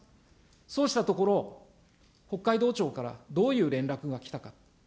そうしたところ、北海道庁からどういう連絡が来たか。